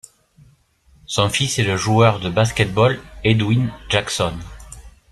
Son fils est le joueur de basket-ball Edwin Jackson.